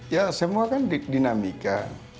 ya semua kan dinamika